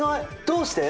どうして？